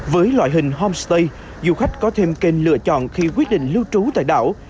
với loại hình homestay du khách có thêm kênh lựa chọn khi quyết định lưu trú tại đảo